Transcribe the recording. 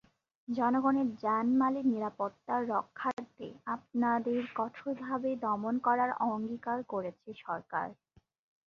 জনগণের জানমালের নিরাপত্তার রক্ষার্থে আপনাদের কঠোরভাবে দমন করার অঙ্গীকার করেছে সরকার।